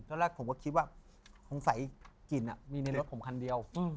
แรกผมก็คิดว่าสงสัยกลิ่นมีในรถผมคันเดียว